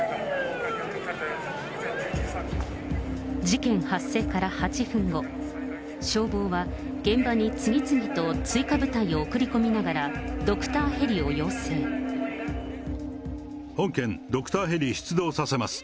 事件発生から８分後、消防が現場に次々と追加部隊を送り込みながら、ドクターヘリを要本件、ドクターヘリ出動させます。